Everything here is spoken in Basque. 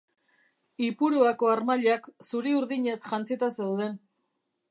Ipuruako harmailak zuri-urdinez jantzita zeuden.